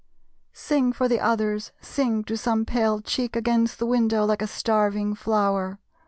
Sing, for the others! Sing; to some pale cheek Against the window, like a starving flower.